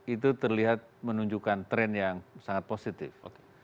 itu terlihat menunjukkan tren yang sangat positif